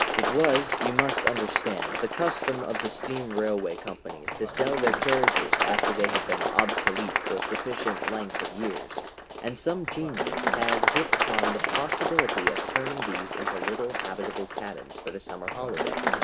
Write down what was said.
It was, you must understand, the custom of the steam railway companies to sell their carriages after they had been obsolete for a sufficient length of years, and some genius had hit upon the possibility of turning these into little habitable cabins for the summer holiday.